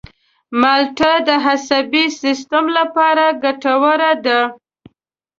مالټه د عصبي سیستم لپاره ګټوره ده.